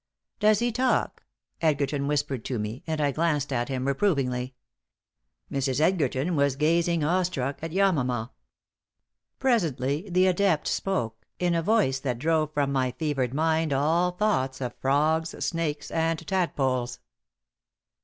"Does he talk?" Edgerton whispered to me, and I glanced at him, reprovingly. Mrs. Edgerton was gazing, awestruck, at Yamama. Presently, the adept spoke, in a voice that drove from my fevered mind all thoughts of frogs, snakes and tadpoles.